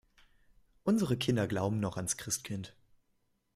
Unsere Kinder glauben noch ans Christkind.